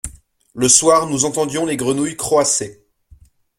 Le soir nous entendions les grenouilles croasser.